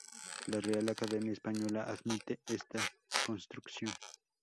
La Real Academia Española admite esta construcción.